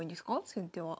先手は。